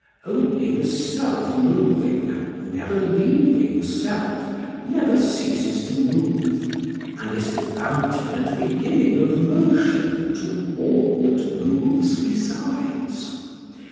Only the self moving, never leaving self, never ceases to move, and is the fountain and beginning of motion to all that moves besides.